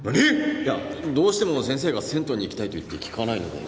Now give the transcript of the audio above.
いやどうしても先生が銭湯に行きたいと言って聞かないので。